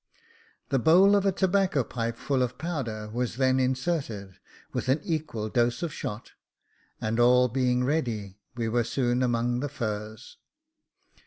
The bowl of a tobacco pipe full of powder was then inserted, with an equal dose of shot, and all being ready we were soon among the furze.